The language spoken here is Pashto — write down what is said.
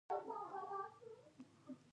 د هامون جهیلونه کله کله وچیږي